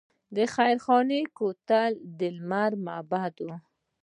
د خیرخانې کوتل کې د لمر معبد و